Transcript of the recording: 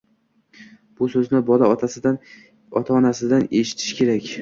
Bu so‘zni bola ota-onasidan eshitishi kerak.